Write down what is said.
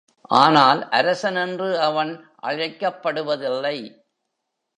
ஆனால் அரசன் என்று அவன் அழைக்கப்படுவதில்லை.